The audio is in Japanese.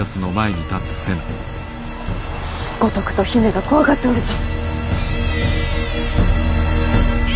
五徳と姫が怖がっておるぞ。